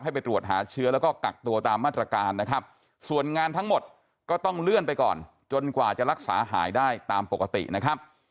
ไปตรวจหาเชื้อแล้วก็กักตัวตามมาตรการนะครับส่วนงานทั้งหมดก็ต้องเลื่อนไปก่อนจนกว่าจะรักษาหายได้ตามปกตินะครับ